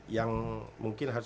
yang mungkin harus